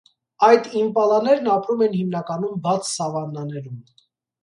Այդ իմպալաներն ապրում են հիմնականում բաց սավաններում։